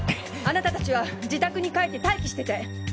あなた達は自宅に帰って待機してて！